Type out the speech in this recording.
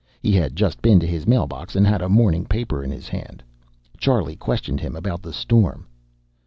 He had just been to his mailbox, and had a morning paper in his hand. Charlie questioned him about the storm.